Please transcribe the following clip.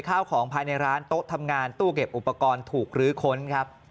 ข้าวของภายในร้านโต๊ะทำงานตู้เก็บอุปกรณ์ถูกลื้อค้นครับ